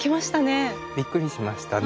びっくりしましたね。